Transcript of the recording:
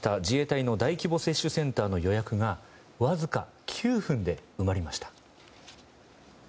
自衛隊の大規模接種センターの予約がわずか９分で埋まりました。